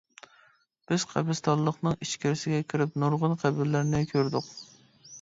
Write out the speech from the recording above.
بىز قەبرىستانلىقنىڭ ئىچكىرىسىگە كىرىپ نۇرغۇن قەبرىلەرنى كۆردۇق.